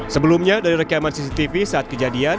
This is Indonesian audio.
sebelumnya dari rekaman cctv saat kejadian